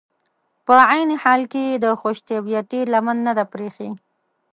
په عین حال کې یې د خوش طبعیتي لمن نه ده پرېښي.